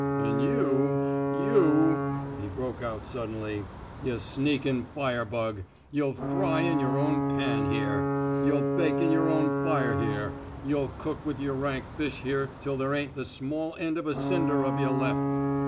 An' you — you," he broke out, suddenly, yuh sneaMn' fire bug, yuh '11 fry in yer own pan here' — yuh '11 bake in yer own fire here — yuh '11 cook with yer rank fish here till there ain't the small end of a cinder of yuh left.